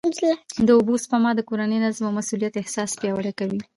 د اوبو سپما د کورني نظم او مسؤلیت احساس پیاوړی کوي.